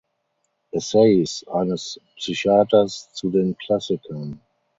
Essays eines Psychiaters zu den Klassikern.